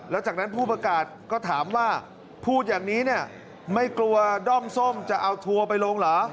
แล้วจากนั้นผู้ประกาศก็ถามว่าพูดอย่างนี้เนี่ยไม่กลัวด้อมส้มจะเอาทัวร์ไปลงเหรอ